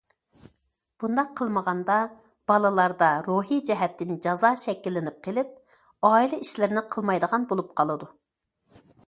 بۇنداق قىلمىغاندا، بالىلاردا روھى جەھەتتىن جازا شەكىللىنىپ قېلىپ، ئائىلە ئىشلىرىنى قىلمايدىغان بولۇپ قالىدۇ.